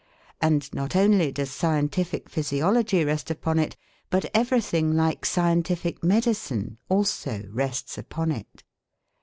And not only does scientific physiology rest upon it, but everything like scientific medicine also rests upon it.